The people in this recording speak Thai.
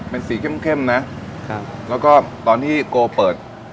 เป็นสีเข้มเข้มนะครับแล้วก็ตอนที่โกเปิด